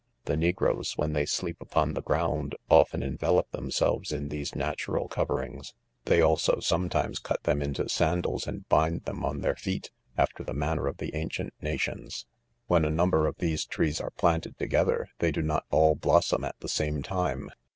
The negroes., when they sleep upon the ground, often envelope them selves in these natural coverings ; they also sometimes cut them into sandals and hind them on their feet, after the manner of the ancient nations. ! When a number of these trees are 'planted together, they do not aE blossom at the same time.